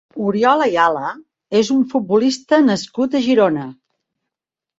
Oriol Ayala és un futbolista nascut a Girona.